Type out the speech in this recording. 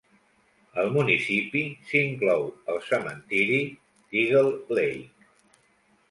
Al municipi, s'inclou el cementiri d'Eagle Lake.